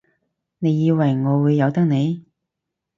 你以為我會由得你？